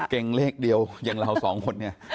เก่งเลขเดียวอย่างเราสองคนเนี่ย